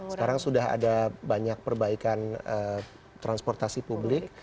sekarang sudah ada banyak perbaikan transportasi publik